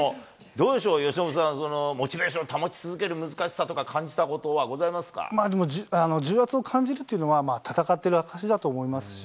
どうでしょう、由伸さん、モチベーションを保ち続ける難しさとか、でも重圧を感じるっていうのは、戦ってる証しだと思いますし。